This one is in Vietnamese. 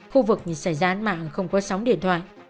khu vực xảy ra án mạng không có sóng điện thoại